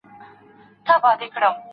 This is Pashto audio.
سړی پوه وو چي غمی مي قېمتي دی